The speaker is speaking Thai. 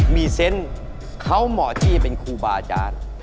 มีเซนต์เขาเหมาะที่จะเป็นครูบาอาจารย์